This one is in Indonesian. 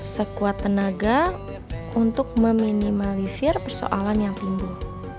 sekuat tenaga untuk meminimalisir persoalan yang timbul